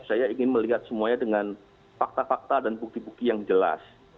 saya ingin melihat semuanya dengan fakta fakta dan bukti bukti yang jelas